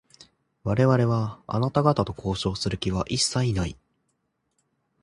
我々は、あなた方と交渉をする気は一切ない。